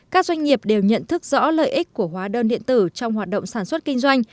các doanh nghiệp đều nhận thức rõ lợi ích của hóa đơn điện tử trong hoạt động sản xuất kinh doanh